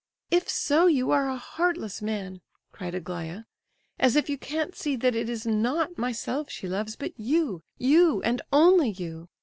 "If so, you are a heartless man!" cried Aglaya. "As if you can't see that it is not myself she loves, but you, you, and only you!